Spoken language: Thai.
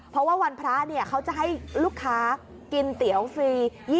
เพราะว่าวันพระเขาจะให้ลูกค้ากินเตี๋ยวฟรี